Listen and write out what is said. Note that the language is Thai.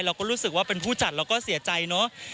เราก็รู้สึกว่าเป็นผู้จัดเราก็เสียใจเนอะ